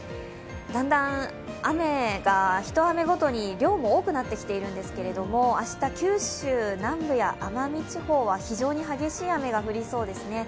だんだん雨が一雨ごとに量も多くなってきてるんですが明日、九州南部や奄美地方は非常に激しい雨が降りそうですね。